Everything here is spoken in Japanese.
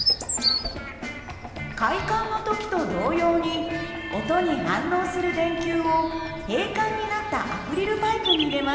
開管の時と同様に音に反応する電球を閉管になったアクリルパイプに入れます。